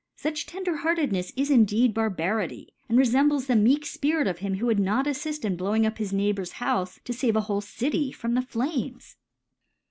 Such Tenderheartednefs is indeed Barbari ty, and refembles the meek Spirit of him who would not aflift in blowing up his Neighbour's Houfe, to fave a whole City from the Flames.